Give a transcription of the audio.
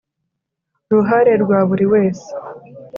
Ruhare rwa buri wese